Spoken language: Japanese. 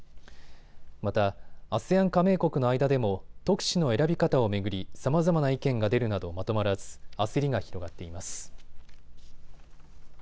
またＡＳＥＡＮ加盟国の間でも特使の選び方を巡りさまざまな意見が出るなどまとまらず焦りが広がっています。